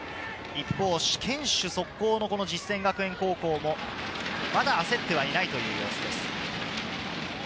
一方、堅守速攻の実践学園高校も、まだ焦ってはいないという様子です。